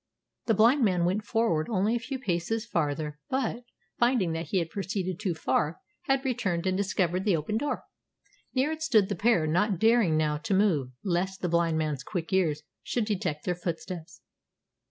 The blind man went forward only a few paces farther; but, finding that he had proceeded too far, he returned and discovered the open door. Near it stood the pair, not daring now to move lest the blind man's quick ears should detect their footsteps.